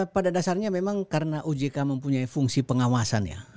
pada dasarnya memang karena ojk mempunyai fungsi pengawasan ya